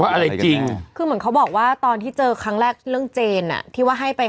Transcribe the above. อะไรจริงคือเหมือนเขาบอกว่าตอนที่เจอครั้งแรกเรื่องเจนอ่ะที่ว่าให้ไป